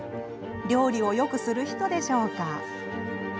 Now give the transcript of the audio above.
料理をよくする人でしょうか。